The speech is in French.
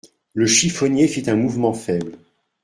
Le chiffonnier fit un mouvement faible.